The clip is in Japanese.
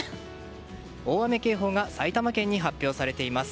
大雨警報が埼玉県に発表されています。